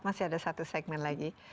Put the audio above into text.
masih ada satu segmen lagi